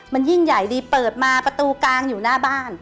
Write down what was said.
มันยิ่งใหญ่ดีเปิดมาประตูกลางอยู่หน้าบ้าน